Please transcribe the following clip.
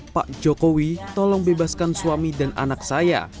pak jokowi tolong bebaskan suami dan anak saya